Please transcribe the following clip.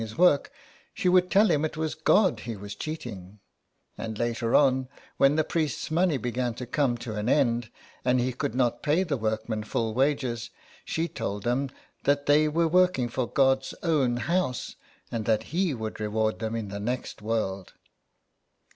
his work she would tell him it was God he was cheating ; and later on, when the priest's money began to come to an end and he could not pay the workmen full wages, she told them they were working for God's Own House, and that He would reward them in the next world.